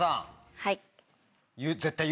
はい。